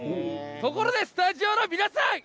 ところでスタジオの皆さん